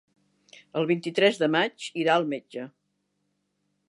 El vint-i-tres de maig irà al metge.